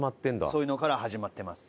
そういうのから始まってます。